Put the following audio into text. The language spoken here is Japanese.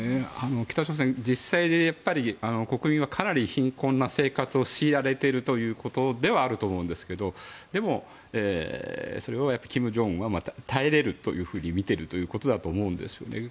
北朝鮮、実際、国民はかなり貧困な生活を強いられているということではあると思いますがでも、それは金正恩は耐えれるというふうにみてるということだと思うんですね。